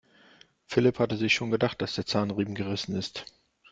Philipp hatte sich schon gedacht, dass der Zahnriemen gerissen ist.